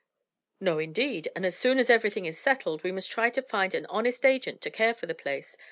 "No, indeed, and as soon as everything is settled, we must try to find an honest agent to care for the place.